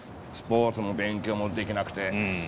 スポーツも勉強もできなくて。